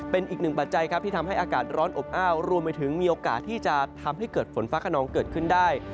เป็นอีกหนึ่งปัจจัยครับที่ทำให้อากาศร้อนอบอ้าวรวมไปถึงมีโอกาสที่จะทำให้เกิดฝนฟ้าขนองเกิดขึ้นได้